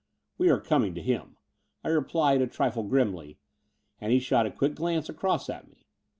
"We are coming to him," I replied, a trifle grimly: and he shot a quick glance across at me.